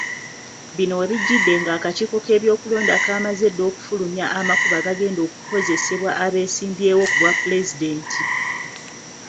Bino we bijjidde ng'akakiiko k'ebyokulonda kaamaze dda okufulumya amakubo agagenda okukozesebwa abeesimbyewo ku bwapulezidenti.